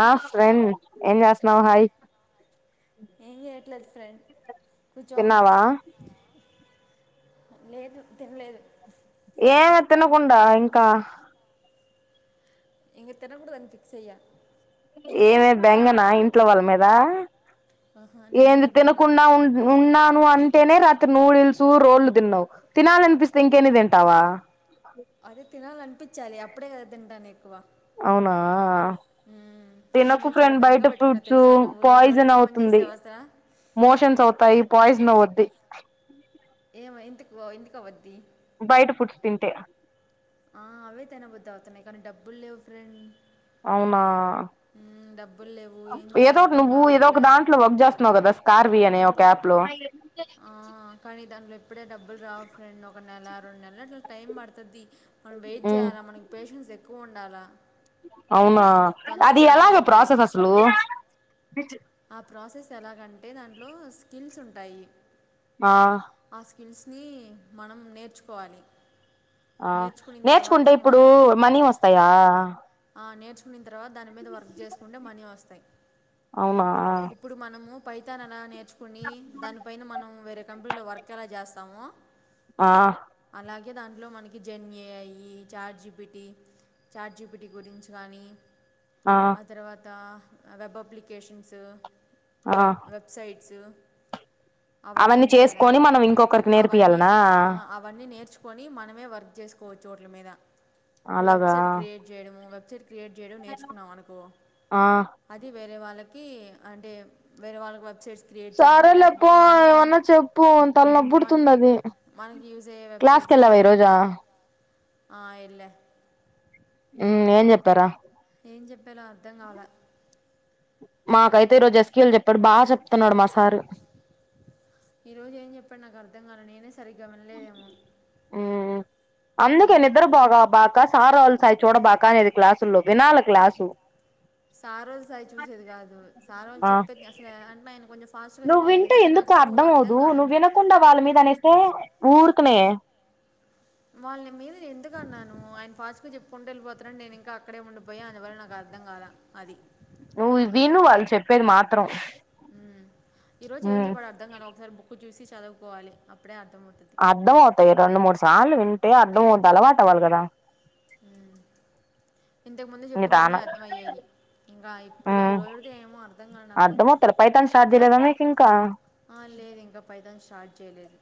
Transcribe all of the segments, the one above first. ఆ ఫ్రెన్ ఏం చేస్తున్నావు హాయ్ ఏం చేయట్లేదు ఫ్రెండ్ కూర్చోన్నా. తిన్నావా ఆ లేదు తినలేదు ఏమే తినకుండా ఇంకా. ఇంక తినకూడదని ఫిక్స్ అయ్యా ఏమే బెంగనా ఇంట్లో వాళ్ళ మీద ఆహా నీ ఏంది మీద బెంగ తినకుండా ఉన్ ఉన్నాను అంటేనే రాత్రి నూడిల్స్ రోళ్లు తిన్నావు తినాలనిపిస్తే ఇంకేనే తింటావా. అదే తినాలనిపించాలి అప్పుడే కదా తింటాను ఎక్కువ. అవునా మ్మ్. నీ తినక మీద చాలా ఫ్రెండ్ బెంగ బయట పెట్టుకున్నా ఫుడ్స్ తెలుసా నువ్వు ఎన్ని రోజులకి పాయిజన్ ఫోన్ చేసే అవుతుంది. అవసరా మోషన్స్ అవుతాయి పాయిజన్ అవుద్ది. ఏమో ఎందుకు ఎందుకు అవద్ది. బైట ఫుడ్స్ తింటే ఆ అవే తినబుద్ధి అవుతున్నాయి కానీ డబ్బులు లేవు ఫ్రెండ్. అవునా మ్మ్, డబ్బులు లేవు ఏం చేయాలో ఏదో ఒకటి అర్థం నువ్వు ఏదో ఒక కావట్లే దాంట్లో వర్క్ చేస్ తన్నావు కదా స్కార్వీ అనే ఒక ఆప్ లో. ఆ కానీ దాంట్లో ఇప్పుడే డబ్బులు రావు ఫ్రెండ్ ఒక నెల రెండు నెల్లు అట్లా టైం పడుతది. మనం వెయిట్ ఉ చేయాల మనకి పేషెన్స్ ఎక్కువ ఉండాలా. అవునా అది ఎలాగ ప్రాసెస్ అసలు. ఆ ప్రాసెస్ ఎలాగంటే దాంట్లో స్కిల్స్ ఉంటాయి. ఆ ఆ స్కిల్స్ ని మనం నేర్చుకోవాలి ఆ నేర్చుకునిన తర్వాత నేర్చుకుంటే మన ఇప్పుడు మనీ వస్తాయా ఆ నేర్చుకునిన్ తర్వాత దాని మీద వర్క్ చేసుకుంటే మనీ వస్తాయి అవునా ఇప్పుడు మనము పైతాన్ అలా నేర్చుకుని దానిపైన మనం వేరే కంపెనీలో వర్క్ ఎలా చేస్తామో ఆ అలాగే దాంట్లో మనకి GenAI chat GPT chat GPT గురించి కానీ ఆ తర్వాత వెబ్ అప్లికేషన్స్ ఆ వెబ్ వెబ్సైట్స్ అవన్నీ ఉంటాయి కదా చేసుకొని మనం ఇంకొకరికి అవన్నీ నేర్పియాలనా అ అప్ అవన్నీ నేర్చుకొని మనమే వర్క్ చేసుకోవచ్చు చోట్ల మీద ఇప్పుడు అలాగా వెబ్సైట్ క్రియేట్ చేయడము వెబ్సైట్ క్రియేట్ చేయడం నేర్చుకున్నాం అనుకో ఆ అది వేరే వాళ్ళకి అంటే వేరే వాళ్ళకి వెబ్సైట్స్ క్రియేట్ చేయడము సరేలే లేకపో పో తే మనకి ఏమన్నా చెప్పు మన తలనొప్పుడుతుంది అది మనకి యూస్ అయ్యే క్లాస్కి వెబ్సైట్స్ వెళ్ళావా ఈ రోజా అట్లాంటివి ఆ ఇల్లే ఉ ఏం చెప్పారా ఏం చెప్పాలో అర్థం గాలే మాకైతే ఈరోజ ఎస్క్యూఎల్ చెప్పాడు బాగా చెప్తున్నాడు మా సారు ఈరోజు ఏం చెప్పాడో నాకు అర్థం కాల నేనే సరిగ్గా వినలేదేమో ఉమ్మ్ అందుకే ఉమ్, నిద్రబొక బాక సార్ సై చూడ బాకా అనేది క్లాసుల్లో వినాల క్లాసు సారోళ్ళ సైడ్ చూసేది కాదు సారోళ్ళు ఆ చెప్పేది అసలు అంటే ఆయన కొంచెం ఫాస్ట్గా నువ్వు వింటే చెప్పేస్తే ఎందుకు నాకు అర్థం అవ్వదు కాలే నువ్వు వినకుండా వాళ్ళ మీద అనేస్తే ఊరికనే వాళ్ళ మీద ఎందుకు అన్నాను ఆయన ఫాస్ట్‌గా చెప్పుకుంట వెళ్ళిపోతున్నాడు నేనింకా అక్కడే ఉండిపోయా అందువల్ల నాకు అర్థం కాలా అది నువ్వు విను వాళ్ళు చెప్పేది మాత్రం ఉమ్మ్ ఈరోజు ఏం ఉమ్ చెప్పాడో అర్థం కాల ఒకసారి బుక్ చూసి చదువుకోవాలి అప్పుడే అర్థంమవుతది అర్థం అవుతాయి రెండు మూడు సార్లు వింటే అర్థమవుద్ది అలవాటు అవ్వాలి కదా ఉమ్మ్ ఇంతకుముందు చెప్పినవన్నీ నిదానం అర్థమయ్యాయి ఇంకా ఇప్పుడుదే ఉమ్ ఈరోజుడిదే ఏమో అర్థం కాలే నాకు కొంచెం అర్థమవుతలే పైతాన్ స్టార్ట్ చేయలేదా మీకు ఇంకా ఆ లేదు ఇంకా పైతాన్ స్టార్ట్ చేయలేదు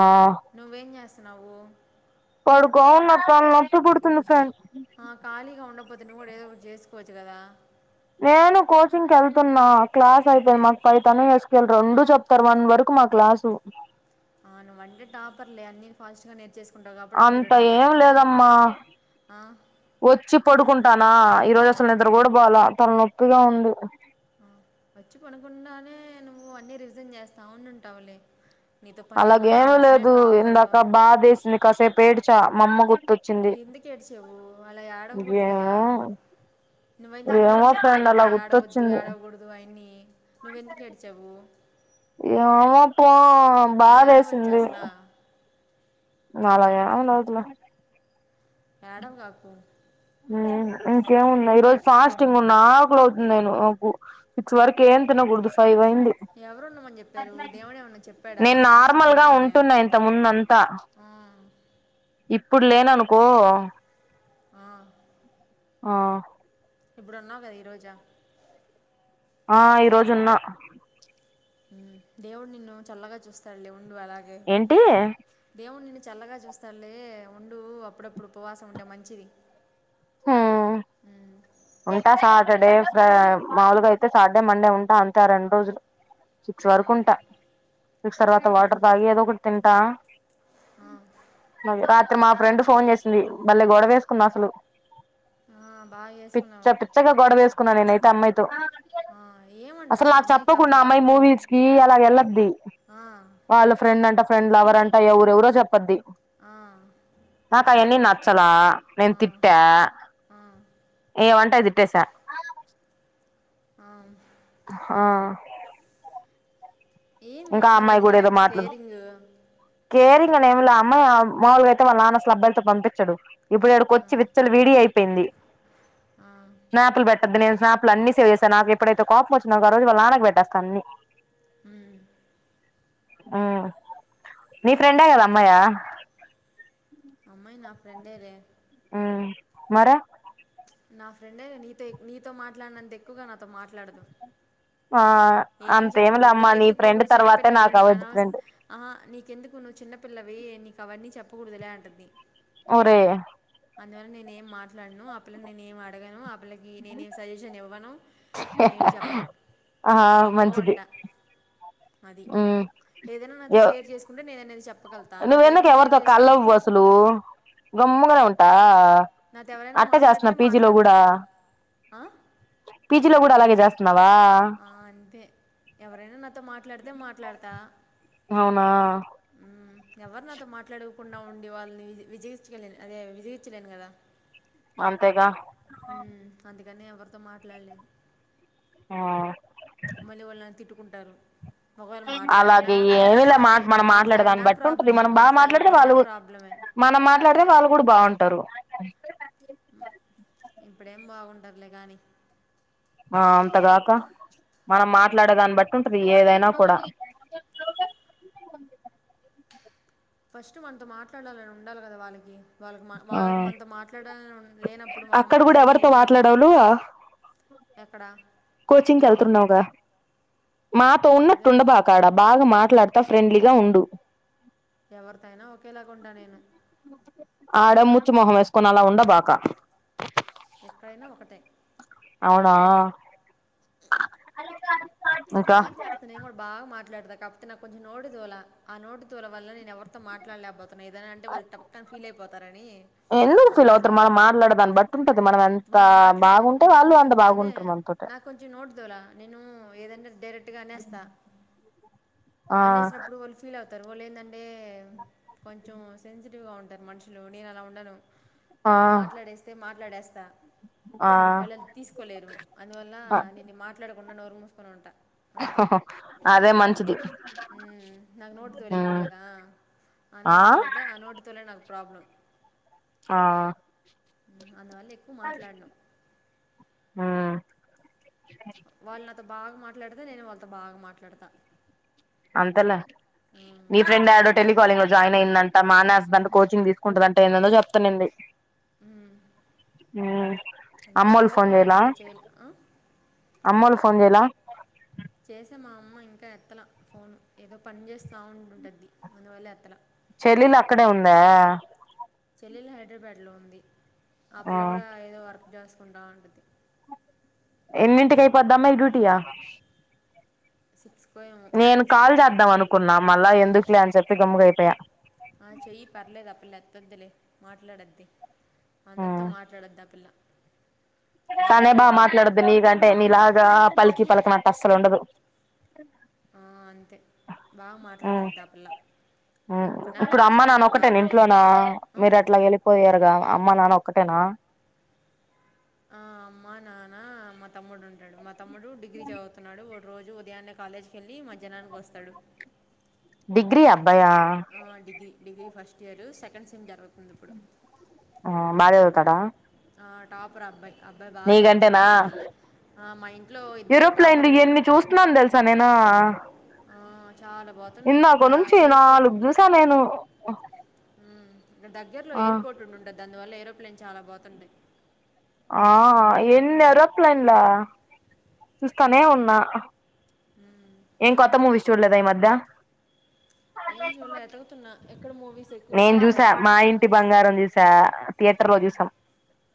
ఆ నువ్వేం చేస్తున్నావు పడుకోవున్న అక్క నొప్పి పడుతుంది ఫ్రేం ఆ ఖాళీగా ఉండకపోతే నువ్వు కూడా ఏదో ఒకటి చేసుకోవచ్చు కదా నేను కోచింగ్‌కి ఎళ్తున్నా క్లాస్ అయిపోయింది మాకు పైతను ఎస్క్యూఎల్ రెండూ చె ప్తారు వన్ వరకు మా క్లాసు ఆ నువ్వ్ అంటే టాపర్లే అన్ని ఫాస్ట్‌గా నేర్చేసు అంత ఏం లేదమ్మా ఆ, వచ్చి పడుకుంటానా ఈరోజు ఆ, అసలు నిద్ర కూడా పోలా తల నొప్పిగా ఉంది ఆ వచ్చి పకుండానే నువ్వు అన్నీ రివిజన్ చేస్తా ఉంనుంటావులే అలాగేమి లేదు ఇందాక బాదేసింది కాసేపు ఏడ్చ మా అమ్మ గు ఎందుకు ఏడ్చావు అలా ఏడవకూడదు కదా ఏమో నువ్వైనా ఏమో అందరికిీ చెప్తావు ఫ్రెండ్ కదా అలా ఏడవ వద్దు గుర్తొచ్చింది ఏడవకుడా దు అని నువ్వెందుకు ఏడ్చావు ఏమో పో అలా ఏడవచ్చు బాధేసింది అసలు నాలాగా ఏమీ లేదులే ఏడవగాకు ఉమ్మ్ ఇంకేమున్న ఈరోజు ఫాస్టింగ్ ఉన్న ఆకులు అవుతుంది నేను నాకు సిక్స్ వరకు ఏం తినకూడదు ఫైవ్ అయింది ఎవరు ఉండమని చెప్పారు దేవుడు ఏమన్నా చెప్పాడా నేను ఫాస్టింగ్ నార్మల్‌గా ఉండమనే ఉంటున్నా ఇంతకుముందంతా ఆ, ఇప్పుడు లేననుకో ఆ ఆ ఇప్పుడు ఉన్నావు కదా ఈరోజా ఆ ఈరోజు ఉన్న ఉమ్మ్ దేవుడు నిన్ను చల్లగా చూస్తాడులే ఉండు అలాగే ఏంటి దేవుడు నిన్ను చల్లగా చూస్తాడులే ఉండు అప్పుడప్పుడు ఉపవాసం ఉంటే మంచిది ఆ ఉమ్, ఉంటా సాటర్డే ఫ్ర మాములుగా అయితే సాటర్డే మండే ఉంటా అంతే రెండు రోజులు సిక్స్ ఆ, వరకు ఉంటా సిక్స్ తర్వాత వాటర్ తాగి ఏదో ఒకటి తింటా ఆ మది రాత్రి మా ఫ్రెండ్ ఫోన్ చేసింది బలే గొడవ ఎసుకున్న అసలు ఆ, బాగా పిచ్చ చేసుకున్నావు పిచ్చగ గొడవేసుకున్న నేనైతే అమ్మాయితో ఆ, ఏమంట అసలు నాకు అమ్మాయికి చెప్పకుండా ఆ అమ్మాయి ప్రాబ్లం ఏంటి మూవీస్కి అలా వెళ్ళద్ది ఆ, వాళ్ళ ఫ్రెండ్ అంట ఫ్రెండ్ లవర్ అంట ఎవరెవరో చెప్పద్ది ఆ నాకయన్ని నచ్చలా ఆ, నేను తిట్టా ఆ, ఏమంటే అయి తిట్టేసా ఆవునా ఆ ఏంది ఆ ఇంకా అమ్మాయి మీద కూడా ఏదో నీకంత మాట్లాడు కేరింగ్ కేరింగ్ అనేంలే ఆ అమ్మాయి మాములుగా అయితే వాళ్ళ నాన్న అసలు అబ్బాయిలతో పంపించడు ఇప్పుడు ఇక్కడికి వచ్చి విచ్చల వీడి అయిపోయింది ఆ, స్నాపులు పెట్టద్ది నేను స్నాప్లు అన్ని సేవ్ చేస్తా నాకు ఎప్పుడైతే కోపం వచ్చిదనుకో ఆ రోజు వాళ్ళ నాన్నకు పెట్టస్తా అన్ని హ ఉ నీ ఫ్రెండ్ ఎవరు అమ్మాయా అమ్మాయి నా ఫ్రెండేలే ఆ మరే నా ఫ్రెండేగా నీతో నీతో మాట్లాడినంత ఎక్కువగా నాతో మాట్లాడదు ఆ ఏం అంతేమి చెప్పదు లేమ్మా నీ నీకెందుకు ఫ్రెండ్ తర్వాతే నాకు అవద్దు ఫ్రెండ్ ఆ నీకెందుకు నువ్వు చిన్నపిల్లవి నీకు అవన్నీ చెప్పకూడదులే అంటుంది ఒరే అందువల్ల నేను ఏం మాట్లాడను ఆ పల్లను నేను ఏం అడగను పిల్లకి నేనేమి సజెషన్ ఇవ్వను ఏమి చెప్పను ఆ మంచిది గమ్ముగుంట అది మ్మ్ ఏదైనా నాతో ఎవ్ షేర్ చేసు కుంటే నేనేది చెప్పగలు నువ్వెందుకు ఎవరితో కలవ్వు అసలు గమ్ముగానే ఉంటా నాతో ఎవరైనా అట్ట చేస్తున్నా మాట్లాడితే పీజీలో మాట్లాడతా కూడా ఆ పీజీ లో కూడా అలాగే చేస్తున్నావా ఆ అంతే ఎవరైనా నాతో మాట్లాడితే మాట్లాడతా అవునా ఎవరు నాతో మాట్లాడకుండా ఉండి వాళ్ళని వి విజగించలేను అదే విజగించలేను కదా అంతేగా అందుకని ఎవరితో మాట్లాడలేను ఆ మళ్ళీ వాళ్ళు నన్ను తిట్టుకుంటారు ఒకవేళ మాట్లాడినా అలాగే ఏమిలే మాట మాట్లా మనం మాట్లాడే దాన్ని మాట్లాడినా బట్టి ఉంటది ప్రాబ్లమే మనం బాగా మాట్లాడితే మాట్లాడకపోయినా వాళ్ళు ప్రాబ్లమే మనం మాట్లాడితే వాళ్ళు కూడా బాగుంటారు ఇప్పుడేం బాగుంటరులే కానీ ఆ అంతేగా అక్క మనం మాట్లాడేదాన్ని బట్టి ఉంటది ఏదైనా కూడా ఫస్ట్ మనతో మాట్లాడాలని ఉండాలి కదా వాళ్ళకి వాళ్ళకి మా ఆ వాళ్ళకి మనతో మాట్లాడాలని లేనప్పుడు మనం అక్కడ కూడా మాట్లాడి ఎవరితో ఏమి లాభమా మాట్లాడవులు ఎక్కడ కోచింగ్కి వెళ్తున్నావుగా మాతో ఏదో ఉన్నట్టుండబాకు అక్కడ బాగా మాట్లాడుతా ఫ్రెండ్లీగా ఉండు ఎవరితో అయినా ఒకేలాగ ఉంటా నేను ఆడ ముచ్చు మొహం వేసుకొని అలా ఉండబాకా ఎక్కడైనా ఒకటే అవునా ఇంకా మాట్లాడు నేను కూడా బాగా మాట్లాడతా కాకపోతే నాకు కొంచెం నోటి దూల ఆ నోటి దూల వల్ల నేను ఎవరితో మాట్లాడలేకపో ఏదైనా అంటే వాళ్ళు టప్పని ఫీల్ అయిపోతారని ఎందుకు ఫీల్ అవుతారు మనం మాట్లాడను మాట్లాడే దాన్ని బట్టి ఉంటది మనం ఎంత మనం మాట్లాడాము అనుకో బాగుంటే నాకు వాళ్ళు కొంచెం అంత అదే బాగుంటారు మనతోటి నాకు కొంచెం నోటి దూల నేను ఏద డైరెక్ట్ గా అనేస్తా ఆ అనేసినప్పుడు వాళ్ళు ఫీల్ అవుతారు. వాళ్లు ఏందం అంటే కొంచెం సెన్సిటివ్ గా ఉంటారు మనుషులు నేను అలా ఉండను ఆ నేను మాట్లాడేస్తే మాట్లాడేస్తా ఆ వాళ్ళు అది తీసుకోలేరు అందువల్ల ఆ నేను మాట్లాడకుండా నోరు మూసుకొని ఉంటా సింహ అదే మ మంచిది. ఉమ్ నాకు నోటి దూల ఎక్కువ మ్ కాదా ఆ అనోటి దూలతో అనోటి దూలే నాకు ప్రాబ్లం ఆ మ్మ్. అందువల్ల ఎక్కువ మాట్లాడను ఉమ్ వాళ్ళు నాతో బాగా మాట్లాడితే నేను వాళ్ళతో బాగా మాట్లాడత అంతలే మ్మ్. మీ ఫ్రెండ్ ఎడో టెలి కాలింగ్ లో జాయిన్ అయిందంట మానేస్తదంట కోచింగ్ తీసుకుంటుందంట ఏందేందో చెప్తు ఉండింది ఉమ్ ఉమ్ ఎంత టెలి కాలింగ్ అంటే చేయలేం అ అమ్మోళ్ళు ఫోన్ చేయలా చేసా మా అమ్మ ఇంకా ఎత్తల ఫోన్ ఏదో పని చేస్త ఉండుంటంది అందువల్ల ఎత్తల చెల్లెలు అక్కడే ఉందా చెల్లెలు హైదరాబాద్ లో ఉంది ఆ పిల్ల కూడా ఏదో వర్క్ చేసుకుంటా ఉంటది ఎన్నింటికి అయిపోద్దమ్మా ఈ డ్యూటీయా సిక్స్ కో ఏమో సిక్స్ అనుకుంటా ద్దాం అనుకున్నా మళ్ళా ఎందుకులే అని చెప్పి గమ్ముగైపోయా. ఆ చెయ్యి పర్లేదు ఆ పిల్ల ఎత్తుద్దిలే మాట్లాడుద్ది అందరితో మ్ మాట్లాడొద్దా ఆ పిల్ల తనే బా నాలాగే ఉండదు మాట్లాడుద్ది నీకంటే నీలాగా పలికి పలకనట్టు అస్సలు ఉండదు ఆ అంతే బాగా ఉమ్ మాట్లాడద్ధి ఆ పిల్లా ఇప్పుడు అమ్మ నాన్న ఒకటేన ఇంట్లోనా ఆ? మీరు అట్లా ఎలి పోయారుగా అమ్మ నాన్న ఒక్కటేనా ఆ అమ్మా నాన్నా మా తమ్ముడు ఉంటడు. మా తమ్ముడు డిగ్రీ చదువుతున్నాడు వాడు రోజు ఉదయాన్నే కాలేజ్ కి వెళ్ళి మధ్యాహ్నానికి వస్తాడు డిగ్రీ అబ్బాయా ఆ degree degree first year second sem జరుగుతుంది ఇప్పుడు ఆ బాగా చదువుతాడ ఆ టాపర్ ఆ అబ్బాయి అ అబ్బాయి బాగా చదువుతాడు నీకంటేనా ఆ మా ఇంట్లో ఇద్దరు ఏరోప్లేన్లు టాపర్లే ఎన్ని చూస్తున్నాను తెలుసా నేను ఆ చాలా పొతున్నాయ్ ఇందాక అక్కడ నుంచి ఎయిర్ పోర్ట్ నాలుగు చూసా నేను ఇకడ దగ్గరలో ఆ ఎయిర్పోర్ట్ ఉండుండే దానివల్ల ఏరోప్లేన్ చాలా బోతుంటాయి. ఆ ఎన్ని ఎరోప్లేన్ లా. సూస్తానే ఉన్నా. ఉమ్. ఏ కొత్త మూవీస్ చూడలేదా ఈ మధ్య. ఏం చూల్లె ఎతకుతున్నా ఎక్కడ మూవీస్. ఎక్కువ నేను బాగా చూసా దొరుకుతాయి మా మంచి ఇంటి మూవీస్ బంగారంప చూసా థియేటర్ లో చూసాం.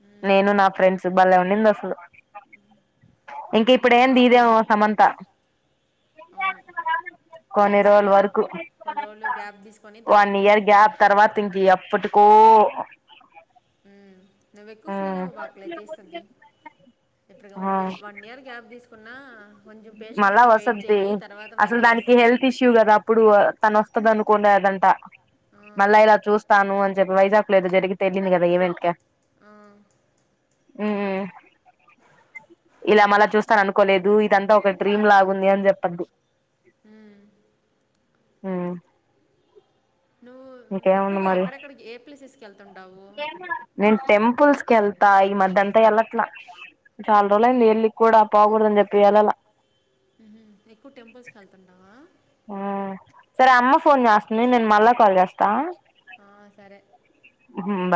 ఉమ్, నేను నా ఫ్రెండ్స్ బలే ఉండింది అసలు. ఇంకా ఇప్పుడు ఉమ్, ఏంది ఇదేమో బాగుండింది సమంత. అవును కొన్ని రోజుల తీస్తది లేే వరకు కొన్ని రోజులు గ్యాబ్ తీసుకొని తర్వాత తీస్తుంది. తర్వాతకి యప్పటికో. ఉమ్ నువ్వెక్కువ ఫీల్ అవ బాకులే తీస్తతి. ఇప్పుటి కల్లా వన్ ఇయర్ గ్యాప్ తీసుకున్నా. కొంచెం పేషెన్స్ మళ్ళా తో వెయిట్ జెయ్యి తర్వాత మళ్ళీ వస్తది. శివ్ గదా అప్పుడు తన వస్తది అనుకోనేదంట. ఆ, మళ్ళా ఇలా చూస్తాను అని చెప్పి వైజాగ్ లో ఏదో జరిగితె ఎల్లింది కదా ఈవెంట్ క. ఆ. హుమ్. ఇలా మళ్ళ చూస్తాను అనుకోలేదు. ఇదంతా ఒక డ్రీమ్ లాగుంది అని చెప్పని. హ్మ్. ఉహు. నువ్వు ఇంకేముంది ఎక్కువగా మరి ఎక్కడెక్కడికి ఏ ప్లేసెస్కి వెళ్తుంటావు. నేను టెంపుల్స్ కెల్తా ఈ మధ అంటే ఎల్లట్ల. చాలా రోజలయింది ఎలికి కూడా పోగూడద అని చెప్పి యెల్లల. ఎక్కువ టెంపుల్స్ కి వెళ్తుంటావా? సరే అమ్మ ఫోన్ జేస్తుంది. నేను మళ్ళా కాల్ జేస్తా. ఆ, సరే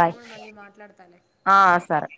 నేను కూడా మళ్ళీ మాట్లాడతాలే. ఆ సరే.